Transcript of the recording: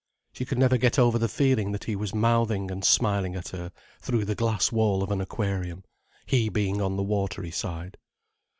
She could never get over the feeling that he was mouthing and smiling at her through the glass wall of an aquarium, he being on the watery side.